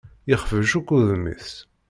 Yexbec akk udem-is.